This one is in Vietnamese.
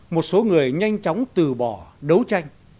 một số người nhanh chóng từ bỏ đấu tranh